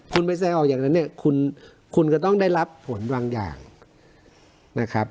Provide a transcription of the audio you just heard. คุณไปแสดงออกอย่างนั้นเนี่ยคุณก็ต้องได้รับผลบางอย่างนะครับ